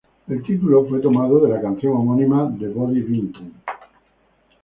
El título fue tomado de la canción homónima de Bobby Vinton.